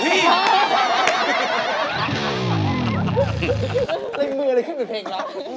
เรื่องมืออะไรขึ้นเป็นเพลงล็อค